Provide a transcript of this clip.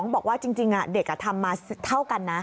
บอกว่าจริงเด็กทำมาเท่ากันนะ